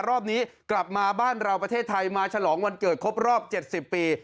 รอบนี้กลับมาบ้านเราประเทศไทยมาฉลองวันเกิดครบรอบ๗๐ปี